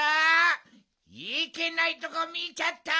いけないとこみちゃった！